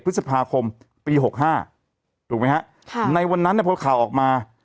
พฤษภาคมปี๖๕ถูกไหมฮะค่ะในวันนั้นเนี่ยพอข่าวออกมา